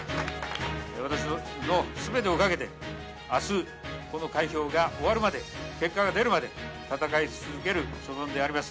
私のすべてをかけて、あす、この開票が終わるまで、結果が出るまで、戦い続ける所存であります。